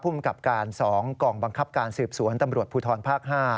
ภูมิกับการ๒กองบังคับการสืบสวนตำรวจภูทรภาค๕